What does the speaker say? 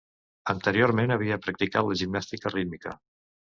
Anteriorment havia practicat la gimnàstica rítmica.